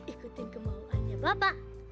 ikutin kemauannya bapak